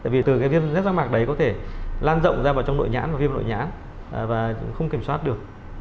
vì từ cái viêm rác mạc đấy có thể lan rộng ra vào trong nội nhãn và viêm nội nhãn và không kiểm soát được